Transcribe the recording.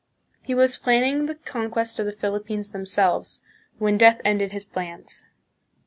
He was planning the conquest of the Philippines themselves, when death ended his plans.